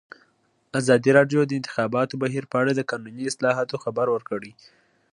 ازادي راډیو د د انتخاباتو بهیر په اړه د قانوني اصلاحاتو خبر ورکړی.